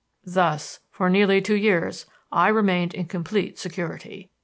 "Thus, for nearly two years, I remained in complete security.